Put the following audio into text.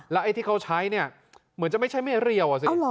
ไอ้ที่เขาใช้เนี่ยเหมือนจะไม่ใช่ไม่เรียวอ่ะสิ